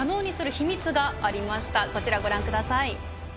こちらご覧ください。